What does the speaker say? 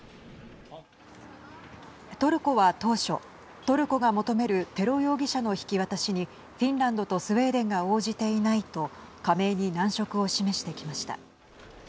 トルコは当初、トルコが求めるテロ容疑者の引き渡しにフィンランドとスウェーデンが応じていないと加盟に難色を示してきました。